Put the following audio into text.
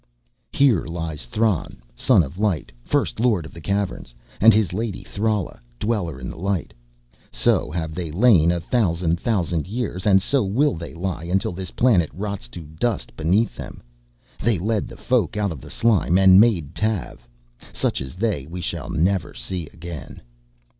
"Here lies Thran, Son of Light, first Lord of the Caverns, and his lady Thrala, Dweller in the Light. So have they lain a thousand thousand years, and so will they lie until this planet rots to dust beneath them. They led the Folk out of the slime and made Tav. Such as they we shall never see again."